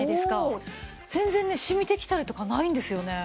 全然ね染みてきたりとかないんですよね。